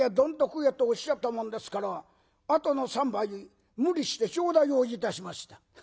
んと食えとおっしゃったもんですからあとの３杯無理して頂戴をいたしました」。